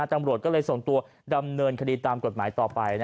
ตำรวจก็เลยส่งตัวดำเนินคดีตามกฎหมายต่อไป